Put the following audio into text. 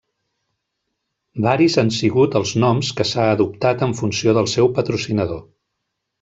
Varis han sigut els noms que s'ha adoptat en funció del seu patrocinador.